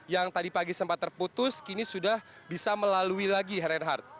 yang tadi pagi sempat terputus kini sudah bisa melalui lagi reinhardt